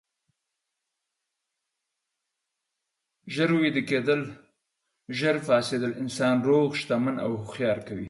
ژر ویده کیدل، ژر پاڅیدل انسان روغ، شتمن او هوښیار کوي.